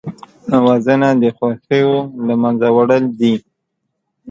وژنه د خوښیو له منځه وړل دي